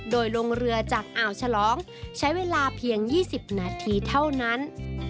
โดยลงเรือจากอ่าวฉลองใช้เวลาเพียง๒๐นาทีเท่านั้น